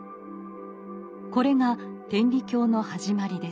これが天理教の始まりです。